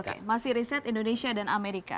oke masih riset indonesia dan amerika